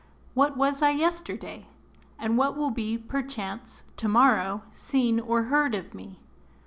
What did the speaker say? What was I yesterday? and what will be, Perchance, to morrow, seen or heard of me?